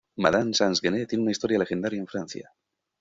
Madame Sans-Gêne tiene una historia legendaria en Francia.